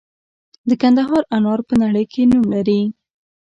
د کندهار انار په نړۍ کې نوم لري.